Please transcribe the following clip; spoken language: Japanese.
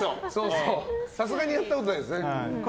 さすがにやったことないですね。